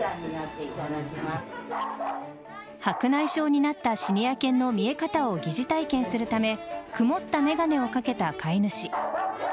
白内障になったシニア犬の見え方を疑似体験するため曇った眼鏡をかけた飼い主。